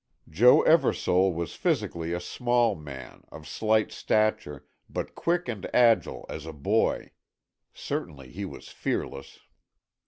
Joe Eversole was physically a small man, of slight stature, but quick and agile as a boy. Certainly he was fearless.